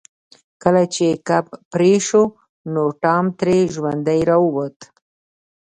کله چې کب پرې شو نو ټام ترې ژوندی راووت.